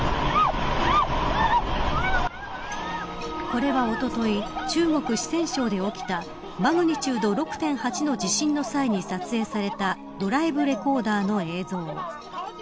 これは、おととい中国四川省で起きたマグニチュード６．８の地震の際に撮影されたドライブレコーダーの映像。